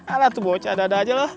alah tuh bocah dada aja lah